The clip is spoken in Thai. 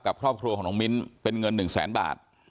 ครอบครัวของน้องมิ้นเป็นเงิน๑แสนบาท